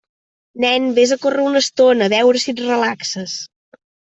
Nen, vés a córrer una estona, a veure si et relaxes.